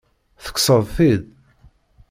Tekkseḍ-t-id?